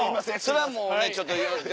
それはもうねちょっと。